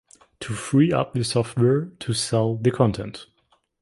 To free up the software, to sell the content.